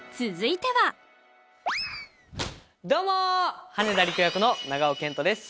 どうも羽田陸役の長尾謙杜です